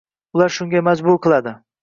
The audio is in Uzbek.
Ular shunga majbur qiladi